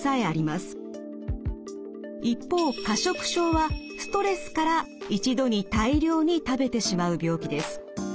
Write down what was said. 一方過食症はストレスから一度に大量に食べてしまう病気です。